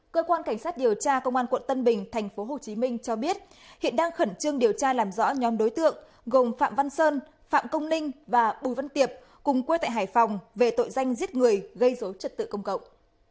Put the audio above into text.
cơ quan cảnh sát điều tra công an quận tân bình tp hcm cho biết hiện đang khẩn trương điều tra làm rõ nhóm đối tượng gồm phạm văn sơn phạm công ninh và bùi văn tiệp cùng quê tại hải phòng về tội danh giết người gây dối trật tự công cộng